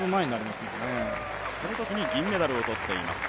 このときに銀メダルを取っています。